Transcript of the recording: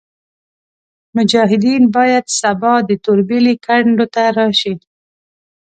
مجاهدین باید سبا د توربېلې کنډو ته راشي.